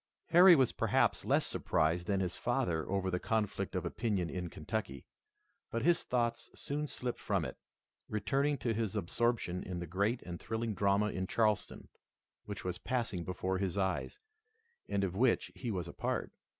Harry was perhaps less surprised than his father over the conflict of opinion in Kentucky, but his thoughts soon slipped from it, returning to his absorption in the great and thrilling drama in Charleston, which was passing before his eyes, and of which he was a part.